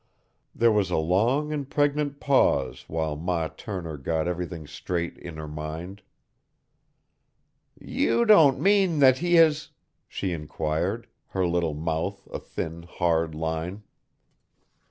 There was a long and pregnant pause while Ma Tanner got everything straight in her mind. "You don't mean that he has " she inquired, her little mouth a thin, hard line.